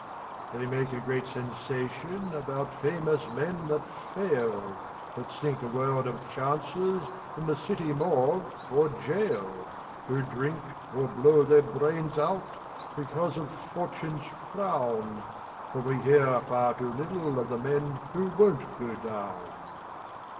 They make a great sensation About famous men that fail, That sink a world of chances In the city morgue or gaol, Who drink, or blow their brains out, Because of "Fortune's frown". But we hear far too little Of the men who won't go down.